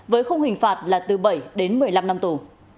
với khung hình phạt là từ bảy đến một mươi năm năm tù